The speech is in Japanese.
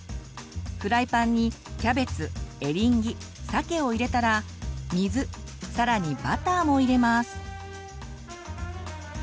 フライパンにキャベツエリンギさけを入れたら水さらにバターも入れます。